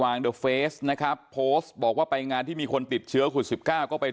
อาจจะมีการป้องกันที่มันลดลงไป